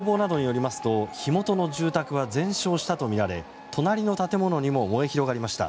消防などによりますと火元の住宅は全焼したとみられ隣の建物にも燃え広がりました。